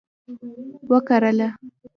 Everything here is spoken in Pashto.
وکرله